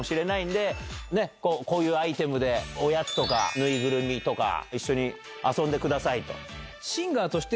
こういうアイテムでおやつとかぬいぐるみとか一緒に遊んでくださいと。